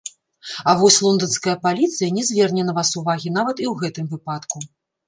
А вось лонданская паліцыя не зверне на вас увагі нават і ў гэтым выпадку.